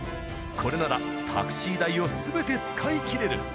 これならタクシー代をすべて使い切れる。